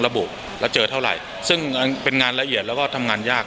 ระบุแล้วเจอเท่าไหร่ซึ่งเป็นงานละเอียดแล้วก็ทำงานยาก